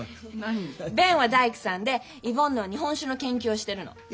ベンは大工さんでイボンヌは日本酒の研究をしてるの。